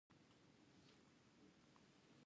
د ایمان لپاره څه شی اړین دی؟